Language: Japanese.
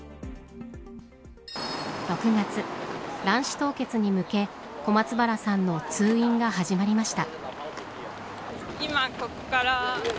６月、卵子凍結に向け小松原さんの通院が始まりました。